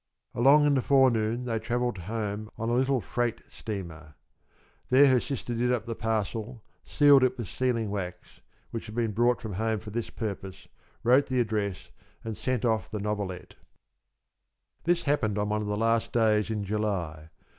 Along in the forenoon they travelled home on a little freight steamer. There her sister did up the parcel, sealed it with sealing wax, which had been brought from home for this purpose, wrote the address, and sent off the novelette. This happened on one of the last days in July.